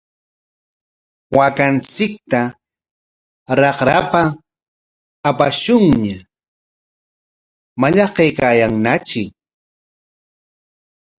Waakanchikta raqrapa apashunña, mallaqnaykaayanñatri.